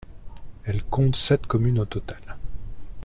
Elle compte sept communes au total.